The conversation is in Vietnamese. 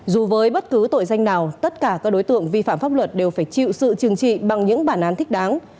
dù với bất cứ tội danh nào tất cả các đối tượng vi phạm pháp luật đều phải chịu sự trừng trị bằng những bản án thích đáng